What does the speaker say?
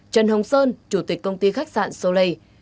trần hồng sơn chủ tịch công ty khách sạn soleil